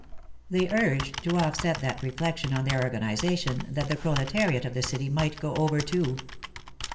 They urged, to offset that reflection on their organization that the proletariat of the city might go over, too.